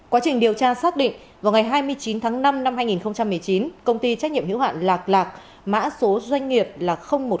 quá trình điều tra xác định vào ngày hai mươi chín tháng năm năm hai nghìn một mươi chín công ty trách nhiệm hữu hạn lạc lạc mã số doanh nghiệp là một mươi bảy trăm năm mươi chín bốn nghìn năm trăm bảy mươi một